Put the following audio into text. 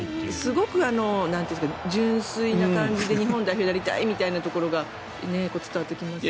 すごく純粋な感じで日本代表やりたいみたいな感じが伝わってきますよね。